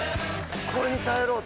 これに頼ろうと。